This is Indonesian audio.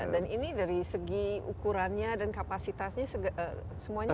dan ini dari segi ukurannya dan kapasitasnya semuanya